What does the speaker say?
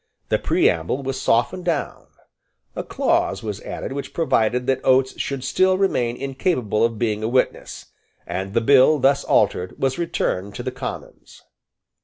The preamble was softened down: a clause was added which provided that Oates should still remain incapable of being a witness; and the bill thus altered was returned to the Commons.